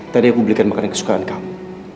tadi aku belikan makanan kesukaan kamu